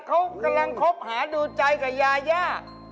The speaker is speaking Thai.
เขากำลังคบหาดูใจกับยาย่า